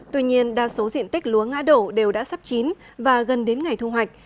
tuy nhiên đa số diện tích lúa ngã đổ đều đã sắp chín và gần đến ngày thu hoạch